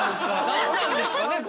何なんですかね